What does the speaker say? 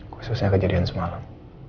khususnya kejadian semalam